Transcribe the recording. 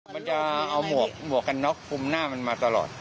มันจะเอาหมวกหมวกคาร์ดน็อคพุมหน้ามันมาตลอดอ๋อ